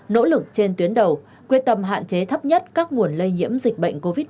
nỗ lực trên tuyến đầu quyết tâm hạn chế thấp nhất các nguồn lây nhiễm dịch bệnh covid một mươi chín vào địa bàn